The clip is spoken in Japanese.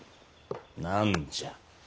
何じゃ？